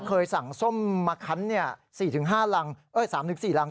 เคยสั่งส้มมาคั้นเนี่ย๔๕หลังเออ๓๔หลัง